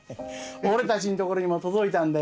俺たちのところにも届いたんだよ。